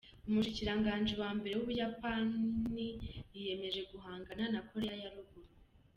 Umushikiranganji wa mbere w'Ubuyapani yiyemeje guhangana na Korea ya ruguru.